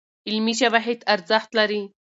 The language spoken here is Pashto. علمي شواهد ارزښت لري.